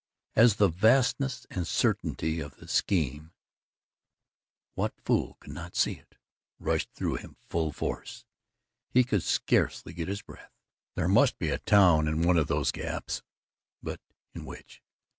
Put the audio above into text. As the vastness and certainty of the scheme what fool could not see it? rushed through him full force, he could scarcely get his breath. There must be a town in one of those gaps but in which?